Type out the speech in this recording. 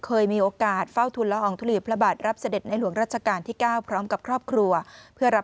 เคยมีโอกาสเฝ้าทุนแล้วอองตุ